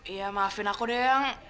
ya maafin aku deh yang